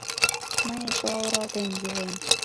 Мыйын чыла оралтем йӱлен.